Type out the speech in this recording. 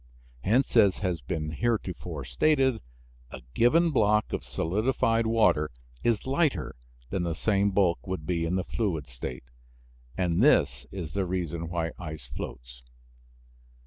Hence, as has been heretofore stated, a given block of solidified water is lighter than the same bulk would be in the fluid state, and this is the reason why ice floats.